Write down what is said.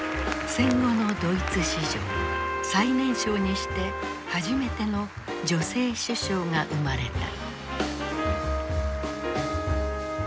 戦後のドイツ史上最年少にして初めての女性首相が生まれた。